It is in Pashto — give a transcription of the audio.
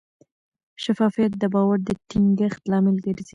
شفافیت د باور د ټینګښت لامل ګرځي.